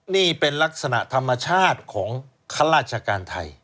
นี่เป็นลักษณะธรรมชาติของข้าราชการไทย